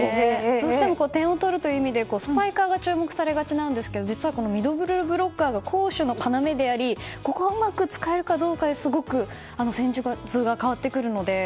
どうしても点を取るという意味でスパイカーが注目されがちなんですけど実はミドルブロッカーが攻守の要でありここをうまく使えるかどうかですごく戦術が変わってくるので。